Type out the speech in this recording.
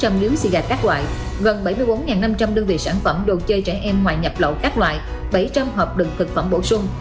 sáu chín trăm linh miếng xì gà các loại gần bảy mươi bốn năm trăm linh đơn vị sản phẩm đồ chơi trẻ em ngoài nhập lậu các loại bảy trăm linh hộp đựng thực phẩm bổ sung